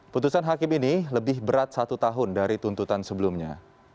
putusan hakim ini lebih berat satu tahun dari tuntutan sebelumnya